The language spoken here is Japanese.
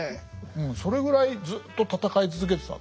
うんそれぐらいずっと戦い続けてたんですね。